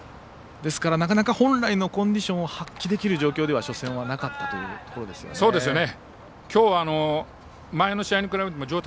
ですから、なかなか本来のコンディションを発揮できる状況では、初戦はなかったというところですよね。